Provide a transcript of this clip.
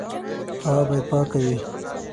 هوا باید پاکه وي.